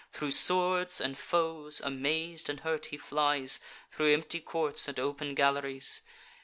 Thro' swords and foes, amaz'd and hurt, he flies Thro' empty courts and open galleries.